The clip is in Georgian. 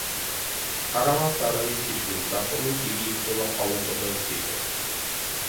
ქარავან-სარაის ჭიშკრის დახურვით იგი იქცევა აუღებელ ციხედ.